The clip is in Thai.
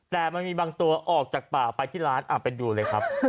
แต่มันมีบางตัวออกจากป่าไปที่ร้านไปดูเลยครับ